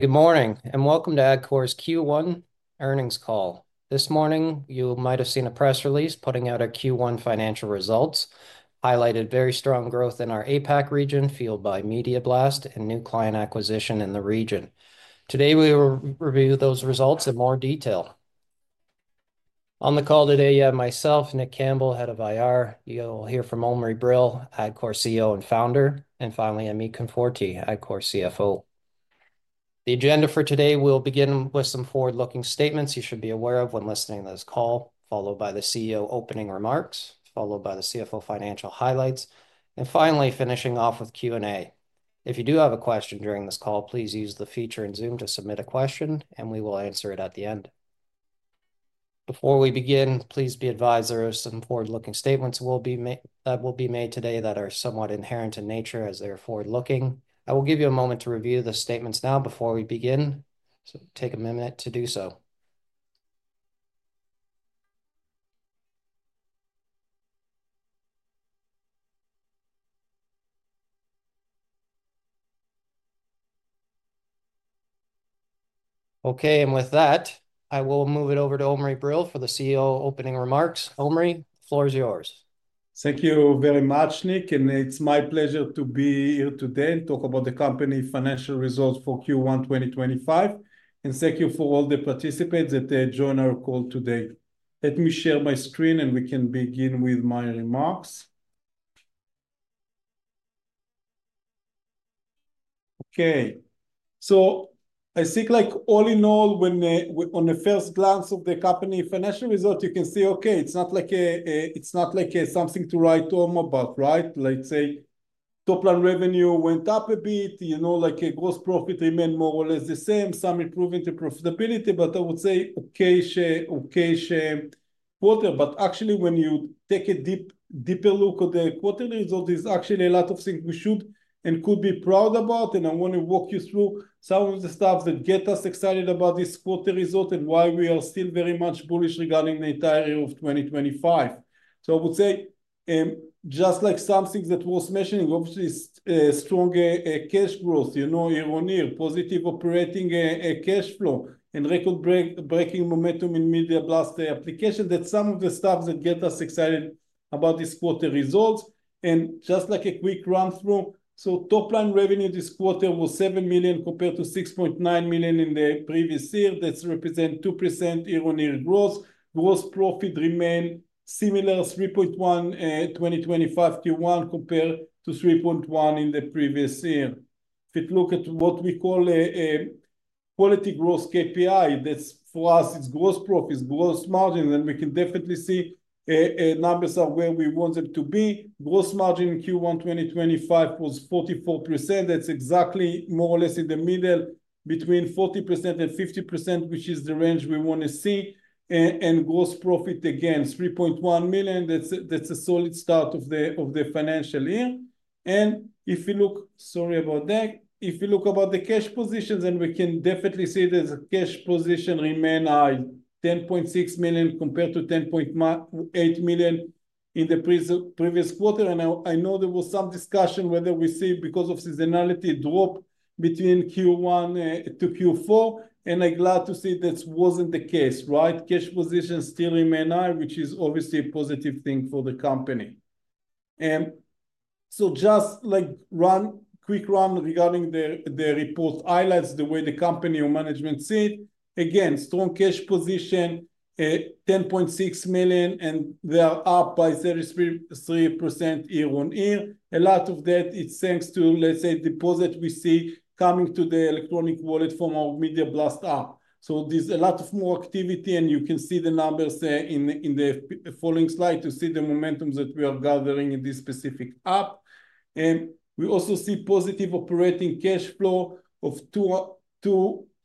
Good morning, and welcome to Adcore's Q1 Earnings Call. This morning, you might have seen a press release putting out our Q1 financial results, highlighting very strong growth in our APAC region fueled by Media Blast and new client acquisition in the region. Today, we will review those results in more detail. On the call today, you have myself, Nick Campbell, Head of IR. You'll hear from Omri Brill, Adcore CEO and Founder, and finally, Amit Konforty, Adcore CFO. The agenda for today will begin with some forward-looking statements you should be aware of when listening to this call, followed by the CEO opening remarks, followed by the CFO financial highlights, and finally finishing off with Q&A. If you do have a question during this call, please use the feature in Zoom to submit a question, and we will answer it at the end. Before we begin, please be advised there are some forward-looking statements that will be made today that are somewhat inherent in nature as they're forward-looking. I will give you a moment to review the statements now before we begin, so take a minute to do so. Okay, and with that, I will move it over to Omri Brill for the CEO opening remarks. Omri, the floor is yours. Thank you very much, Nick, and it's my pleasure to be here today and talk about the company financial results for Q1 2025. Thank you for all the participants that joined our call today. Let me share my screen, and we can begin with my remarks. Okay, I think like all in all, when on the first glance of the company financial result, you can see, okay, it's not like a, it's not like something to write home about, right? Let's say top-line revenue went up a bit, you know, like gross profit remained more or less the same, some improvement in profitability, but I would say okay, okay, quarter. Actually, when you take a deeper look at the quarterly result, there's actually a lot of things we should and could be proud about, and I want to walk you through some of the stuff that gets us excited about this quarter result and why we are still very much bullish regarding the entire year of 2025. I would say, just like some things that were mentioning, obviously strong cash growth, you know, irony, positive operating cash flow, and record-breaking momentum in Media Blast application, that's some of the stuff that gets us excited about this quarter result. Just like a quick run-through, top-line revenue this quarter was 7 million compared to 6.9 million in the previous year. That represents 2% irony growth. Gross profit remained similar, 3.1 million in 2025 Q1 compared to 3.1 million in the previous year. If you look at what we call a quality growth KPI, that's for us, it's gross profits, gross margins, and we can definitely see numbers are where we want them to be. Gross margin in Q1 2025 was 44%. That's exactly more or less in the middle between 40% and 50%, which is the range we want to see. Gross profit again, 3.1 million, that's a solid start of the financial year. If you look, sorry about that, if you look about the cash positions, then we can definitely see that the cash position remained high, 10.6 million compared to 10.8 million in the previous quarter. I know there was some discussion whether we see because of seasonality drop between Q1 to Q4, and I'm glad to see that wasn't the case, right? Cash position still remained high, which is obviously a positive thing for the company. Just like run quick run regarding the report highlights, the way the company or management see it, again, strong cash position, 10.6 million, and they are up by 33% year-on-year. A lot of that, it's thanks to, let's say, deposit we see coming to the electronic wallet from our Media Blast app. There's a lot of more activity, and you can see the numbers in the following slide to see the momentum that we are gathering in this specific app. We also see positive operating cash flow of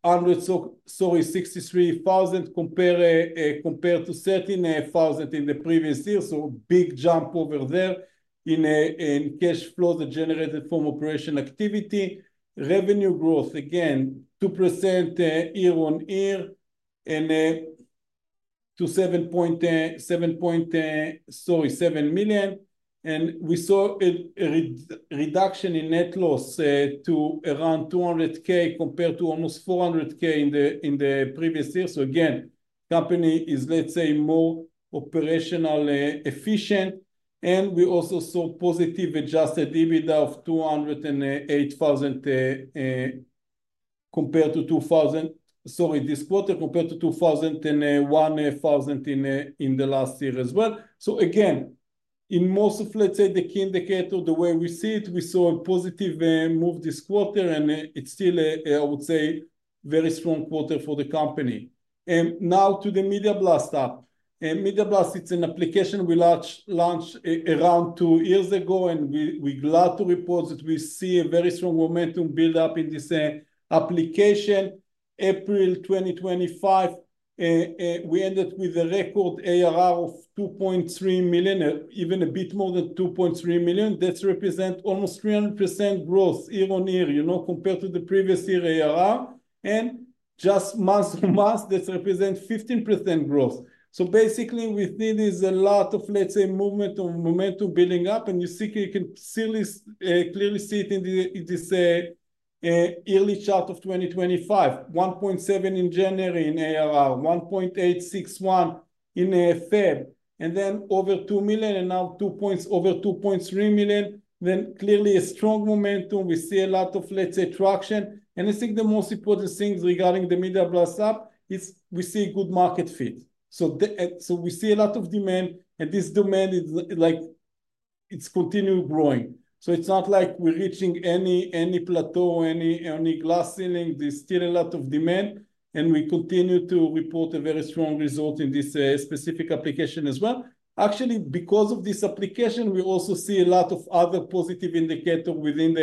263,000 compared to 13,000 in the previous year. Big jump over there in cash flow that generated from operation activity. Revenue growth, again, 2% year-on-year and to 7 million. We saw a reduction in net loss to around 200,000 compared to almost 400,000 in the previous year. Again, company is, let's say, more operational efficient. We also saw positive adjusted EBITDA of CAD 208,000 this quarter compared to 201,000 in the last year as well. Again, in most of, let's say, the key indicator, the way we see it, we saw a positive move this quarter, and it's still, I would say, a very strong quarter for the company. Now to the Media Blast app. Media Blast, it's an application we launched around two years ago, and we're glad to report that we see a very strong momentum build-up in this application. April 2025, we ended with a record ARR of 2.3 million, even a bit more than 2.3 million. That represents almost 300% growth year-on-year, you know, compared to the previous year ARR. Just month to month, that represents 15% growth. Basically, we see there's a lot of, let's say, movement or momentum building up, and you can clearly see it in this early chart of 2025. 1.7 million in January in ARR, 1.861 million in February, and then over 2 million and now over 2.3 million. Clearly a strong momentum. We see a lot of, let's say, traction. I think the most important things regarding the Media Blast app is we see a good market fit. We see a lot of demand, and this demand is like it's continued growing. It's not like we're reaching any plateau, any glass ceiling. There's still a lot of demand, and we continue to report a very strong result in this specific application as well. Actually, because of this application, we also see a lot of other positive indicators within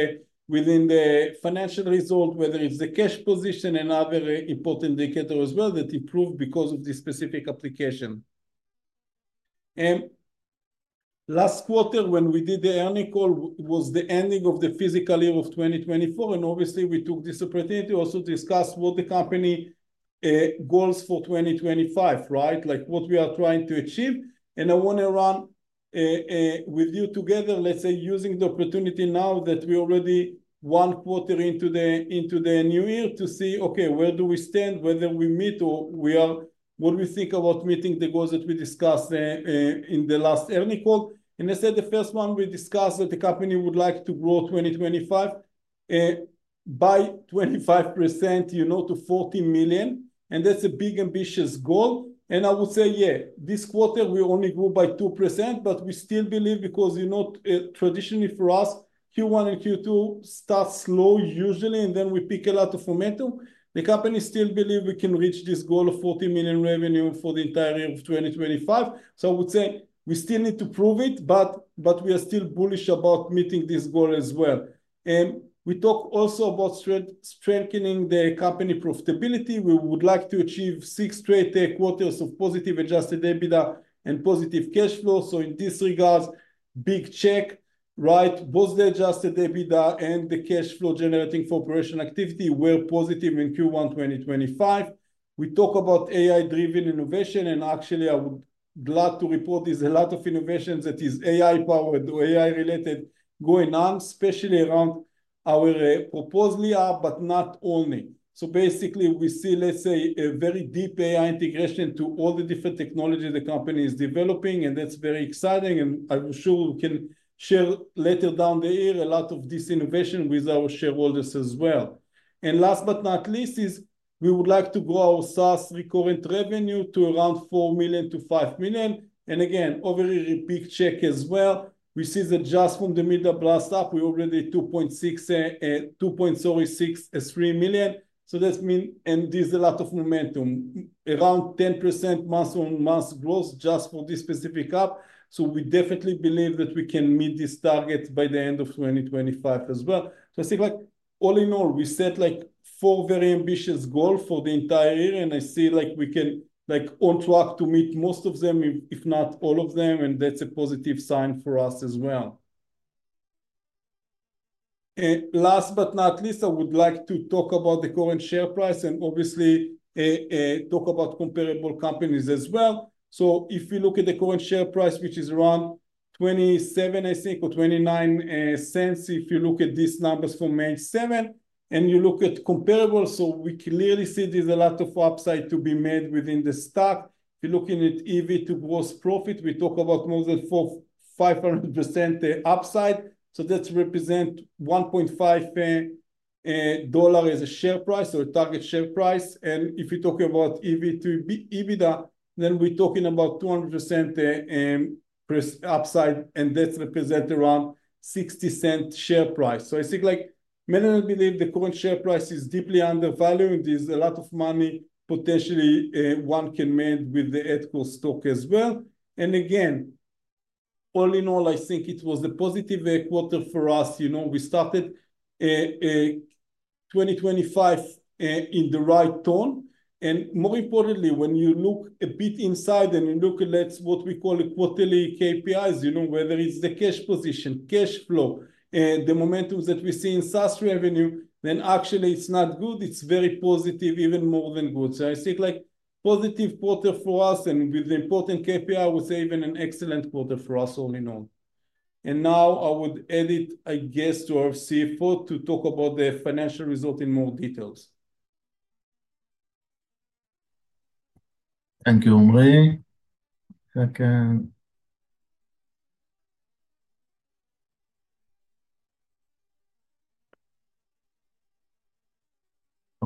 the financial result, whether it's the cash position and other important indicators as well that improved because of this specific application. Last quarter, when we did the earning call, was the ending of the fiscal year of 2024. Obviously, we took this opportunity also to discuss what the company goals for 2025, right? Like what we are trying to achieve. I want to run with you together, let's say, using the opportunity now that we are already one quarter into the new year to see, okay, where do we stand, whether we meet or we are, what do we think about meeting the goals that we discussed in the last earning call. I said the first one we discussed that the company would like to grow 2025 by 25%, you know, to 40 million. That is a big ambitious goal. I would say, yeah, this quarter we only grew by 2%, but we still believe because, you know, traditionally for us, Q1 and Q2 start slow usually, and then we pick a lot of momentum. The company still believes we can reach this goal of 40 million revenue for the entire year of 2025. I would say we still need to prove it, but we are still bullish about meeting this goal as well. We talk also about strengthening the company profitability. We would like to achieve six straight quarters of positive adjusted EBITDA and positive cash flow. In this regard, big check, right? Both the adjusted EBITDA and the cash flow generating for operation activity were positive in Q1 2025. We talk about AI-driven innovation, and actually I would be glad to report there's a lot of innovations that are AI-powered or AI-related going on, especially around our Proposaly app, but not only. Basically, we see, let's say, a very deep AI integration to all the different technologies the company is developing, and that's very exciting. I'm sure we can share later down the year a lot of this innovation with our shareholders as well. Last but not least is we would like to grow our SaaS recurrent revenue to around 4 million-5 million. Again, over a big check as well, we see that just from the Media Blast app, we already 2.63 million. That means, and there's a lot of momentum, around 10% month-on-month growth just for this specific app. We definitely believe that we can meet this target by the end of 2025 as well. I think like all in all, we set like four very ambitious goals for the entire year, and I see like we can like on track to meet most of them, if not all of them, and that's a positive sign for us as well. Last but not least, I would like to talk about the current share price and obviously talk about comparable companies as well. If you look at the current share price, which is around 0.27, I think, or 0.29 if you look at these numbers from May 7, and you look at comparable, we clearly see there's a lot of upside to be made within the stock. If you're looking at EV to gross profit, we talk about more than 500% upside. That represents 1.50 dollar as a share price or a target share price. If you're talking about EV to EBITDA, then we're talking about 200% upside, and that represents around 0.60 share price. I think like many believe the current share price is deeply undervalued. There's a lot of money potentially one can make with the Adcore stock as well. Again, all in all, I think it was a positive quarter for us. You know, we started 2025 in the right tone. More importantly, when you look a bit inside and you look at what we call the quarterly KPIs, you know, whether it's the cash position, cash flow, and the momentum that we see in SaaS revenue, then actually it's not good. It's very positive, even more than good. I think like positive quarter for us and with the important KPI, I would say even an excellent quarter for us all in all. Now I would edit a guest to our CFO to talk about the financial result in more details. Thank you, Omri.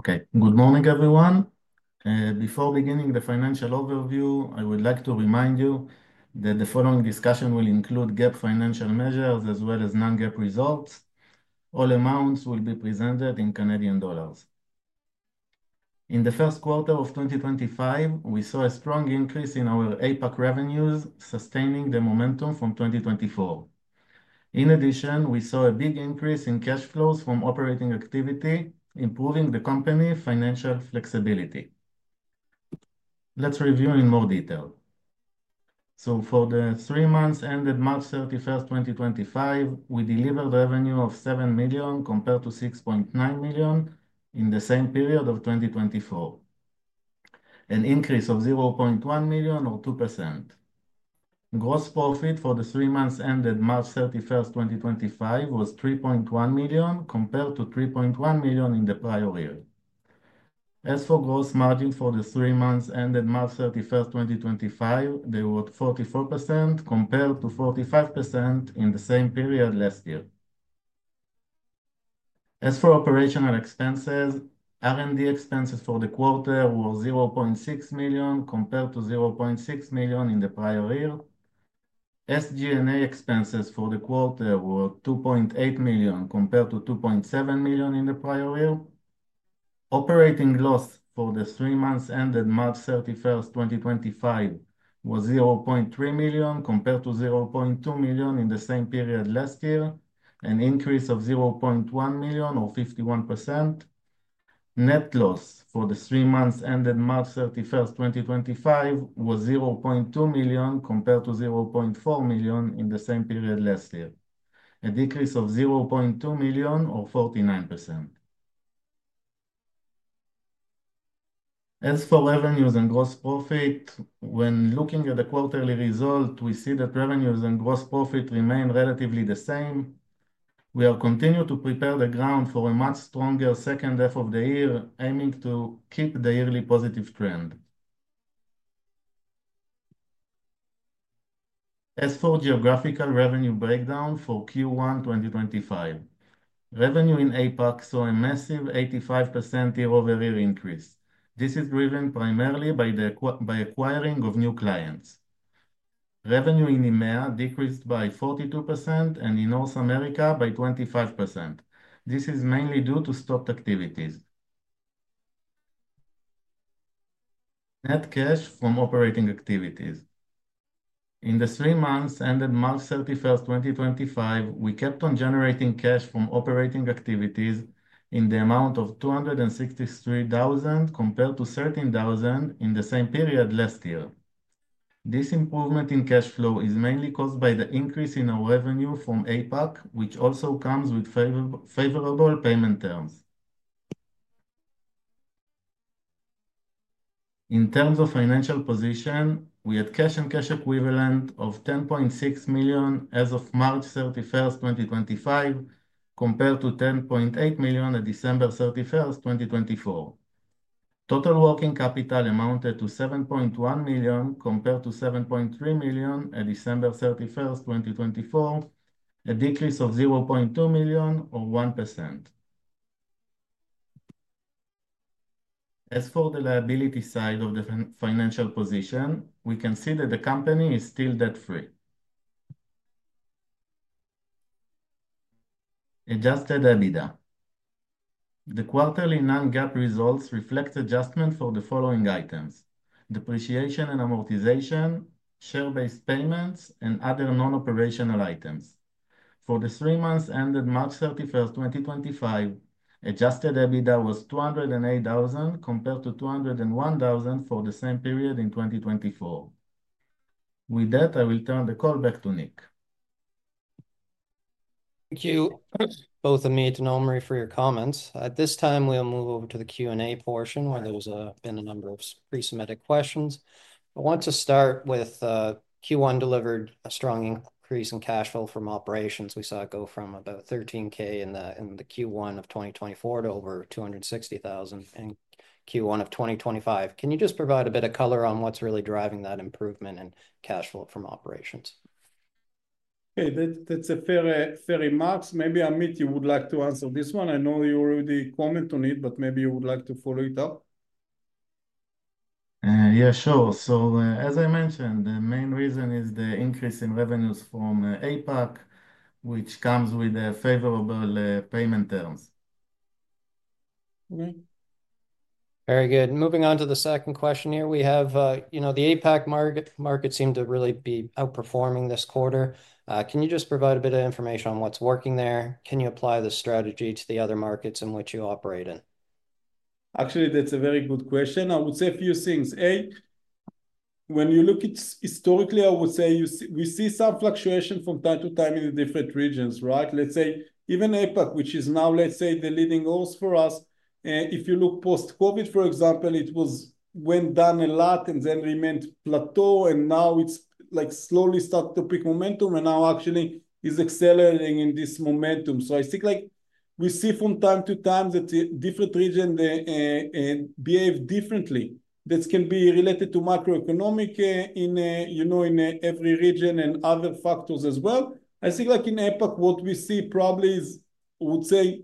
Second. Okay, good morning, everyone. Before beginning the financial overview, I would like to remind you that the following discussion will include GAAP financial measures as well as non-GAAP results. All amounts will be presented in CAD. In the first quarter of 2025, we saw a strong increase in our APAC revenues, sustaining the momentum from 2024. In addition, we saw a big increase in cash flows from operating activity, improving the company financial flexibility. Let's review in more detail. For the three months ended March 31st 2025, we delivered revenue of 7 million compared to 6.9 million in the same period of 2024, an increase of 0.1 million or 2%. Gross profit for the three months ended March 31st 2025 was 3.1 million compared to 3.1 million in the prior year. As for gross margin for the three months ended March 31st 2025, they were 44% compared to 45% in the same period last year. As for operational expenses, R&D expenses for the quarter were 0.6 million compared to 0.6 million in the prior year. SG&A expenses for the quarter were 2.8 million compared to 2.7 million in the prior year. Operating loss for the three months ended March 31st 2025 was 0.3 million compared to 0.2 million in the same period last year, an increase of 0.1 million or 51%. Net loss for the three months ended March 31, 2025 was 0.2 million compared to 0.4 million in the same period last year, a decrease of 0.2 million or 49%. As for revenues and gross profit, when looking at the quarterly result, we see that revenues and gross profit remain relatively the same. We are continuing to prepare the ground for a much stronger second half of the year, aiming to keep the yearly positive trend. As for geographical revenue breakdown for Q1 2025, revenue in APAC saw a massive 85% year-over-year increase. This is driven primarily by the acquiring of new clients. Revenue in EMEA decreased by 42% and in North America by 25%. This is mainly due to stopped activities. Net cash from operating activities. In the three months ended March 31st 2025, we kept on generating cash from operating activities in the amount of 263,000 compared to 13,000 in the same period last year. This improvement in cash flow is mainly caused by the increase in our revenue from APAC, which also comes with favorable payment terms. In terms of financial position, we had cash and cash equivalent of 10.6 million as of March 31st, 2025, compared to 10.8 million at December 31st, 2024. Total working capital amounted to 7.1 million compared to 7.3 million at December 31st, 2024, a decrease of 0.2 million or 1%. As for the liability side of the financial position, we can see that the company is still debt-free. Adjusted EBITDA. The quarterly non-GAAP results reflect adjustment for the following items: depreciation and amortization, share-based payments, and other non-operational items. For the three months ended March 31st, 2025, adjusted EBITDA was 208,000 compared to 201,000 for the same period in 2024. With that, I will turn the call back to Nick. Thank you, both Amit and Omri, for your comments. At this time, we'll move over to the Q&A portion where there's been a number of pre-submitted questions. I want to start with Q1 delivered a strong increase in cash flow from operations. We saw it go from about 13,000 in the Q1 of 2024 to over 260,000 in Q1 of 2025. Can you just provide a bit of color on what's really driving that improvement in cash flow from operations? Okay, that's a fair remark. Maybe Amit, you would like to answer this one. I know you already commented on it, but maybe you would like to follow it up. Yeah, sure. As I mentioned, the main reason is the increase in revenues from APAC, which comes with favorable payment terms. Very good. Moving on to the second question here. We have, you know, the APAC market seemed to really be outperforming this quarter. Can you just provide a bit of information on what's working there? Can you apply this strategy to the other markets in which you operate? Actually, that's a very good question. I would say a few things. A, when you look at historically, I would say we see some fluctuation from time to time in the different regions, right? Let's say even APAC, which is now, let's say, the leading goals for us. If you look post-COVID, for example, it went down a lot and then remained plateau, and now it's like slowly started to pick momentum, and now actually is accelerating in this momentum. I think like we see from time to time that different regions behave differently. That can be related to macroeconomic in, you know, in every region and other factors as well. I think like in APAC, what we see probably is, I would say, a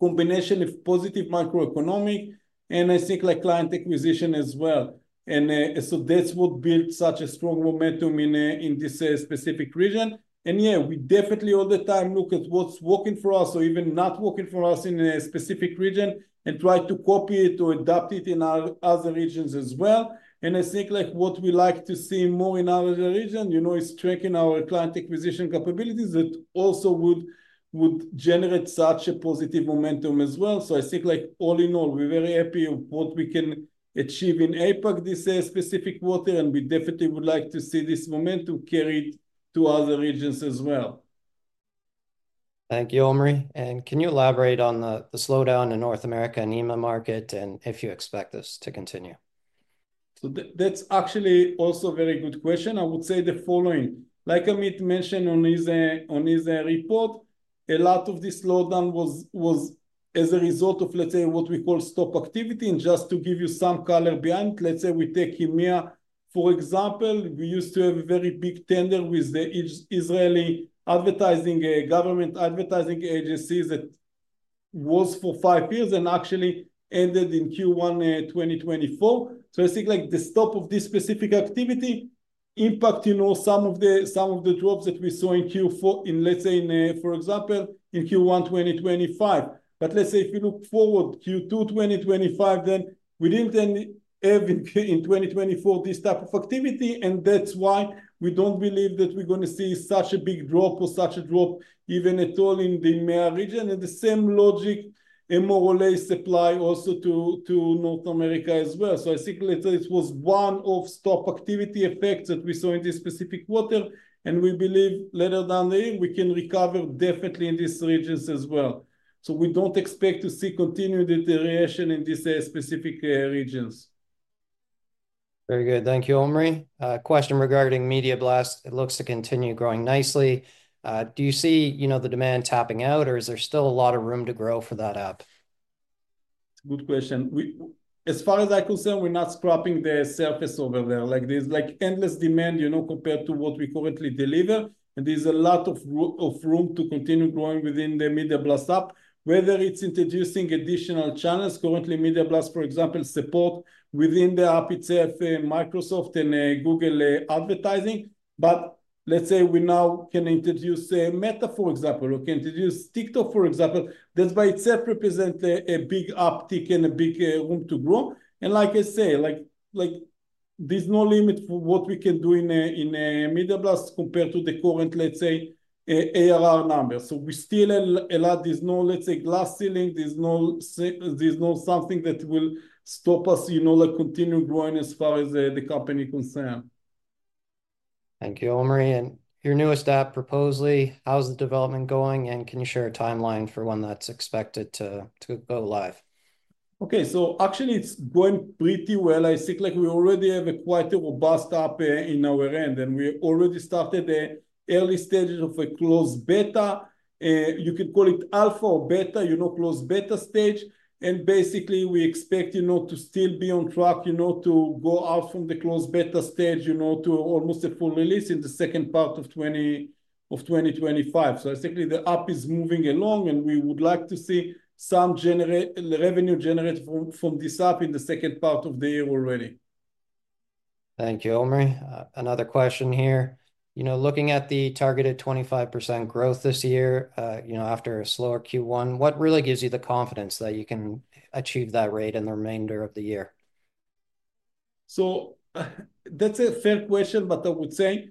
combination of positive macroeconomic and I think like client acquisition as well. That's what built such a strong momentum in this specific region. Yeah, we definitely all the time look at what's working for us or even not working for us in a specific region and try to copy it or adapt it in our other regions as well. I think like what we like to see more in our other region, you know, is tracking our client acquisition capabilities that also would generate such a positive momentum as well. I think like all in all, we're very happy with what we can achieve in APAC this specific quarter, and we definitely would like to see this momentum carried to other regions as well. Thank you, Omri. Can you elaborate on the slowdown in North America and EMEA market and if you expect this to continue? That's actually also a very good question. I would say the following. Like Amit mentioned on his report, a lot of this slowdown was as a result of, let's say, what we call stopped activity. Just to give you some color behind it, let's say we take EMEA, for example, we used to have a very big tender with the Israeli government advertising agency that was for five years and actually ended in Q1 2024. I think like the stop of this specific activity impacted, you know, some of the drops that we saw in Q4, in, let's say, for example, in Q1 2025. Let's say if you look forward to Q2 2025, then we did not have in 2024 this type of activity, and that is why we do not believe that we are going to see such a big drop or such a drop even at all in the EMEA region. The same logic more or less applies also to North America as well. I think it was one of the stopped activity effects that we saw in this specific quarter, and we believe later down the year we can recover definitely in these regions as well. We do not expect to see continued deterioration in these specific regions. Very good. Thank you, Omri. Question regarding Media Blast. It looks to continue growing nicely. Do you see, you know, the demand tapping out, or is there still a lot of room to grow for that app? Good question. As far as I am concerned, we're not scratching the surface over there. Like there's like endless demand, you know, compared to what we currently deliver, and there's a lot of room to continue growing within the Media Blast app, whether it's introducing additional channels. Currently, Media Blast, for example, supports within the app itself, Microsoft and Google advertising. For example, we now can introduce Meta, for example, or can introduce TikTok, for example. That by itself represents a big uptick and a big room to grow. Like I say, like there's no limit for what we can do in Media Blast compared to the current, let's say, ARR numbers. We still allow there's no, let's say, glass ceiling. There's no something that will stop us, you know, like continue growing as far as the company is concerned. Thank you, Omri. Your newest app, Proposaly, how's the development going, and can you share a timeline for when that's expected to go live? Okay, so actually it's going pretty well. I think like we already have quite a robust app in our end, and we already started the early stages of a closed beta. You could call it alpha or beta, you know, closed beta stage. Basically, we expect, you know, to still be on track, you know, to go out from the closed beta stage, you know, to almost a full release in the second part of 2025. I think the app is moving along, and we would like to see some revenue generated from this app in the second part of the year already. Thank you, Omri. Another question here. You know, looking at the targeted 25% growth this year, you know, after a slower Q1, what really gives you the confidence that you can achieve that rate in the remainder of the year? That's a fair question, but I would say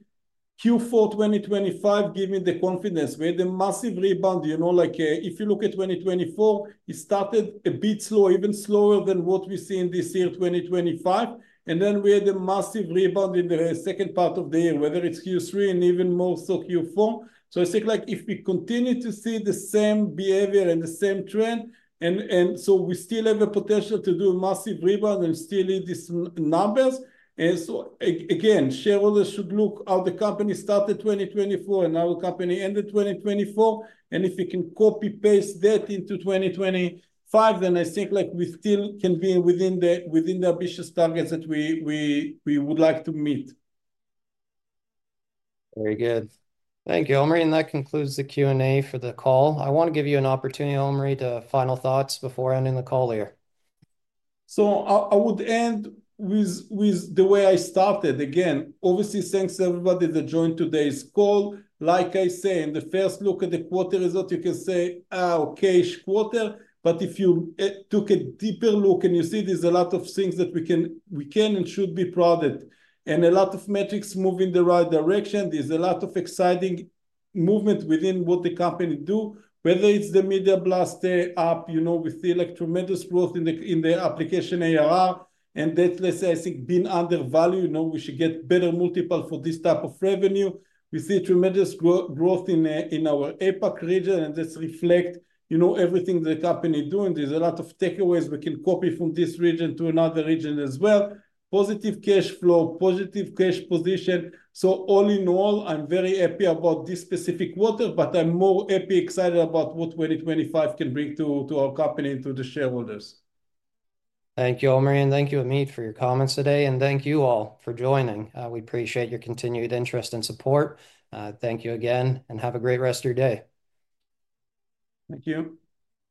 Q4 2025 gave me the confidence. We had a massive rebound, you know, like if you look at 2024, it started a bit slow, even slower than what we see in this year 2025. Then we had a massive rebound in the second part of the year, whether it's Q3 and even more so Q4. I think like if we continue to see the same behavior and the same trend, we still have a potential to do a massive rebound and still hit these numbers. Again, shareholders should look how the company started 2024 and how the company ended 2024. If you can copy-paste that into 2025, then I think like we still can be within the ambitious targets that we would like to meet. Very good. Thank you, Omri. That concludes the Q&A for the call. I want to give you an opportunity, Omri, for final thoughts before ending the call here. I would end with the way I started. Again, obviously, thanks to everybody that joined today's call. Like I say, in the first look at the quarter result, you can say, "Oh, cash quarter." If you took a deeper look and you see there's a lot of things that we can and should be proud of, and a lot of metrics moving in the right direction, there's a lot of exciting movement within what the company do, whether it's the Media Blast app, you know, with the tremendous growth in the application ARR. And that, let's say, I think being undervalued, you know, we should get better multiple for this type of revenue. We see tremendous growth in our APAC region, and that's reflect, you know, everything the company is doing. There's a lot of takeaways we can copy from this region to another region as well. Positive cash flow, positive cash position. All in all, I'm very happy about this specific quarter, but I'm more happy, excited about what 2025 can bring to our company and to the shareholders. Thank you, Omri, and thank you, Amit, for your comments today. Thank you all for joining. We appreciate your continued interest and support. Thank you again, and have a great rest of your day. Thank you.